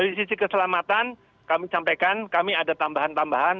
dari sisi keselamatan kami sampaikan kami ada tambahan tambahan